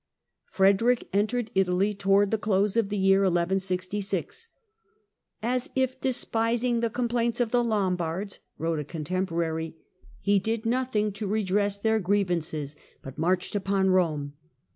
Frederick entered Italy Frederick towards the close of the year 1166. "As if despising JtaiilrE^ the complaints of the Lombards," wrote a contemporary, Hqq^''''' he did nothing to redress their grievances, but marched upon Eome.